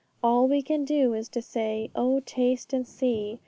All we can do is to say, 'O taste and see!'